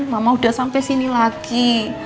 mama udah sampai sini lagi